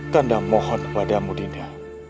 kanda mohon padamu dinda